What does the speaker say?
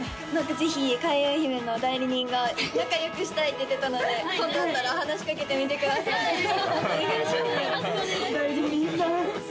ぜひ開運姫の代理人が仲良くしたいって言ってたので今度会ったら話しかけてみてくださいお願いします